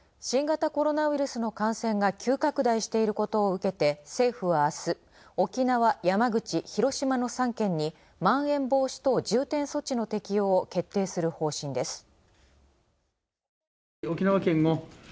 新型コロナウイルスの感染が急拡大していることを受けて政府は明日沖縄、山口、広島の３県に「まん延防止重点措置」の適用を決定する方針です。